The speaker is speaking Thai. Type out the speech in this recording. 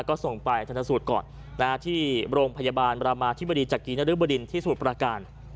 ก็ส่งไปธนสูตรก่อนที่โรงพยาบาลบรามาธิบดีจักรีนริบดินที่สมุทรประการ